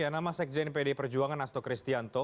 nama sekjen pd perjuangan nasto kristianto